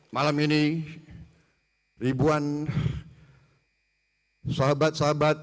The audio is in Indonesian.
malam ini ribuan sahabat sahabat